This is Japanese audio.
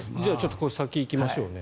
先に行きましょうね。